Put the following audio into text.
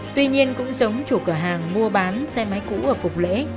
tuy nhiên cũng giống chủ cửa hàng mua bán xe máy cũ ở phục lễ